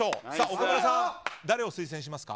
岡村さん、誰を推薦しますか。